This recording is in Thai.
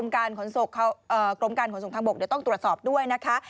กรมการขนส่งทางบกเดี๋ยวต้องตรวจสอบด้วยนะคะ